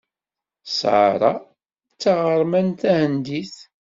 Sarah d taɣermant tahendit.